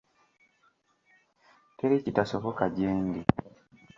Teri kitasoboka gyendi.